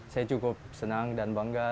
saya cukup senang dan bangga